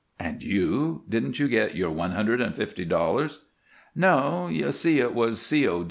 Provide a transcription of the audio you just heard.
"And you? Didn't you get your one hundred and fifty dollars?" "No. You see, it was a C. O.